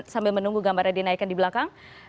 sambil menunggu gambarnya dinaikkan di belakang